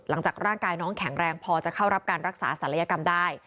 หลังจากร่างกายน้องแข็งแรงพอจะเข้ารับการรักษาศัลยกรรมได้